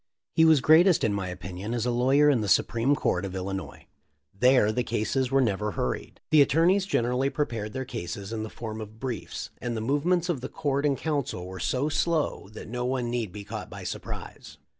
He was greatest in my opinion as a lawyer in the Supreme Court of Illinois. There the cases were never hurried. The attorneys gen erally prepared their cases in the form of briefs, and the movements of the court and counsel were so slow that no one need be caught by surprise.